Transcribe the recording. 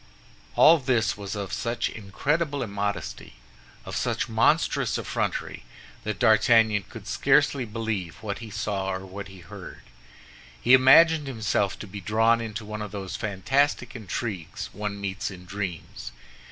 All this was of such incredible immodesty, of such monstrous effrontery, that D'Artagnan could scarcely believe what he saw or what he heard. He imagined himself to be drawn into one of those fantastic intrigues one meets in dreams.